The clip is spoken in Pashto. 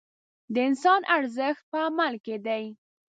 د انسان ارزښت په عمل کې دی.